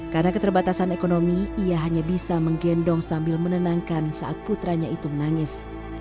karena keterbatasan ekonomi ia hanya bisa menggendong sambil menenangkan saat putranya itu menangis